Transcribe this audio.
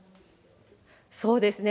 そうですね。